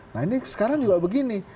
nah ini sekarang juga begini